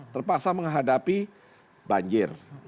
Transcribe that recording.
terpaksa menghadapi banjir